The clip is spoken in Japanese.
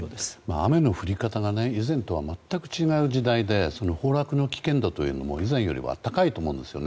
雨の降り方が以前とは全く違う時代で崩落の危険度というのも以前よりは高いと思うんです。